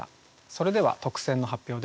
それでは特選の発表です。